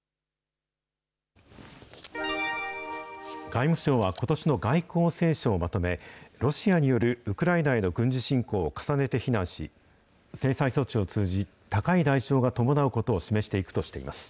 外務省はことしの外交青書をまとめ、ロシアによるウクライナへの軍事侵攻を重ねて非難し、制裁措置を通じ、高い代償が伴うことを示していくとしています。